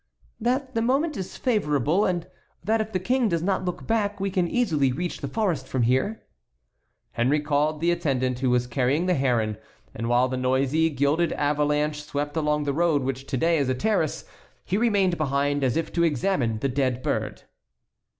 "That the moment is favorable, and that if the King does not look back we can easily reach the forest from here." Henry called the attendant who was carrying the heron, and while the noisy, gilded avalanche swept along the road which to day is a terrace he remained behind as if to examine the dead bird.